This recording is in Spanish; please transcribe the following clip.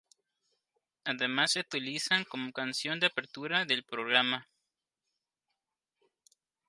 Además se utilizan como canción de apertura del programa.